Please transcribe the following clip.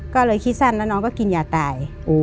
ก็เลยคิดสั้นแล้วน้องก็กินยาตาย